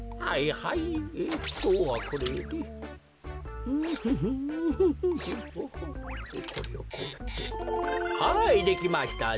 はいできましたぞ。